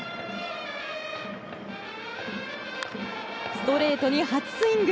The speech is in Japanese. ストレートに初スイング！